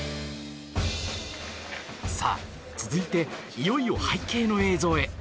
さあ、続いていよいよ背景の映像へ。